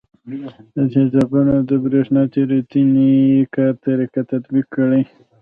د تیزابونو د برېښنا تیریدنې کار طریقه تطبیق کړئ.